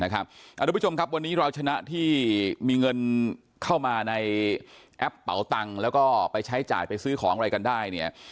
ทุกผู้ชมครับวันนี้เราชนะที่มีเงินเข้ามาในแอปเป๋าตังค์แล้วก็ไปใช้จ่ายไปซื้อของอะไรกันได้เนี่ย